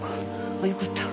ああよかった。